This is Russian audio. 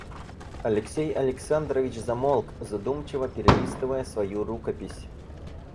Алексей Александрович замолк, задумчиво перелистывая свою рукопись.